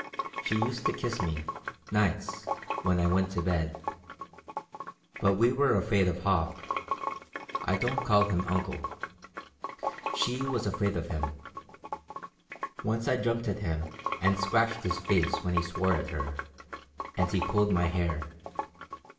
She used to kiss me, nights, when I went to bed. But we were afraid of Hauck I don't call him 'uncle.' She was afraid of him. Once I jumped at him and scratched his face when he swore at her, and he pulled my hair.